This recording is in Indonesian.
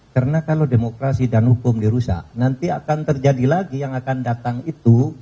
karena kalau demokrasi dan hukum dirusak nanti akan terjadi lagi yang akan datang itu